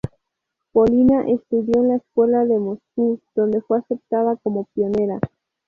Polina estudió en la escuela de Moscú, donde fue aceptada como pionera.